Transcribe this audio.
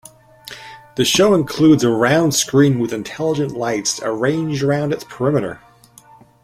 The show includes a round screen with intelligent lights arranged around its perimeter.